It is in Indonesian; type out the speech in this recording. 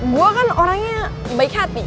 gue kan orang yang baik hati